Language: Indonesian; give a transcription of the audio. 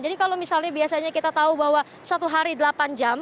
jadi kalau misalnya biasanya kita tahu bahwa satu hari delapan jam